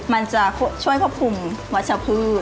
มันจะช่วยควบคุมวัชพืช